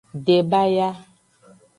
Debaya.